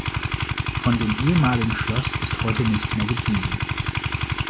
Von dem ehemaligen Schloss ist heute nichts mehr geblieben.